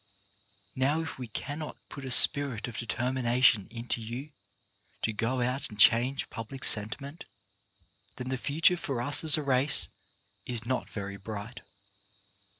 Now if we cannot put a spirit of determination into you to go out and change public sentiment, then the future for us as a race is not very bright.